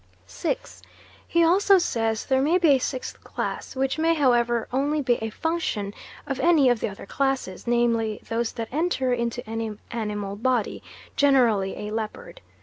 6. He also says there may be a sixth class, which may, however only be a function of any of the other classes namely, those that enter into any animal body, generally a leopard.